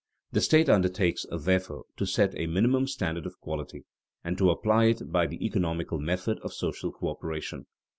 The state undertakes, therefore, to set a minimum standard of quality, and to apply it by the economical method of social coöperation.